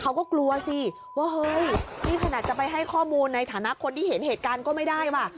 เขาก็กลัวสิว่าเฮ้ยนี่ขนาดจะไปให้ข้อมูลในฐานะคนที่เห็นเหตุการณ์ก็ไม่ได้ว่ะ